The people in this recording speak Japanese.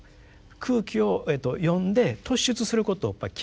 空気を読んで突出することをやっぱり嫌いますから